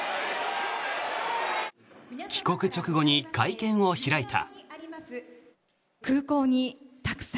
帰国直後に会見を開いた。